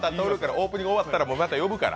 オープニング終わったらまた呼ぶから。